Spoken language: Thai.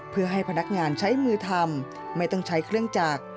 เพื่อให้พนักงานใช้มือทำไม่ต้องใช้เครื่องจักร